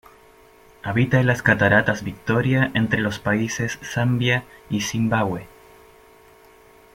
Habita en las Cataratas Victoria entre los países Zambia y Zimbabue.